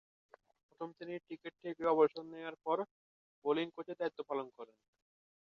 প্রথম-শ্রেণীর ক্রিকেট থেকে অবসর নেয়ার পর বোলিং কোচের দায়িত্ব পালন করেন।